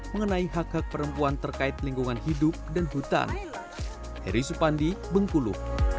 mengenai hak hak perempuan terkait lingkungan hidup dan hutan rizu pandi bengkulu